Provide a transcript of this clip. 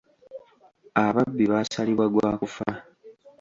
Ababbi baasalibwa gwa kufa.